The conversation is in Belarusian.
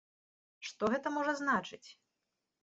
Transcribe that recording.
Што гэта можа значыць?